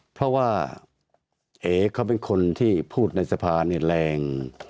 เพราะว่าเอ๋เขาเป็นคนที่พูดในสภาเนี่ยแรง